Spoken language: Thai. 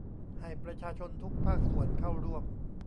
ให้ประชาชนทุกภาคส่วนเข้าร่วม